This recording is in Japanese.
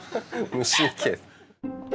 無神経。